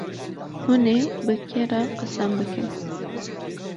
hûnê bi kê re qisan bikin.